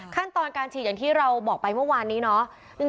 ขั้นตอนการฉีดอย่างที่เราบอกไปเมื่อวานนี้เนาะ